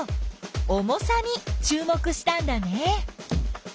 重さにちゅう目したんだね。